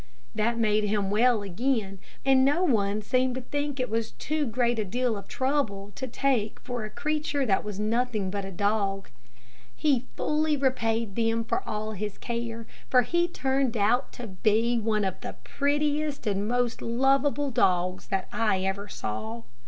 That made him well again, and no one seemed to think it was a great deal of trouble to take for a creature that was nothing but a dog. He fully repaid them for all his care, for he turned out to be one of the prettiest and most lovable dogs that I ever saw.